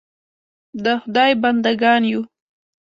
د خدای بنده ګان یو .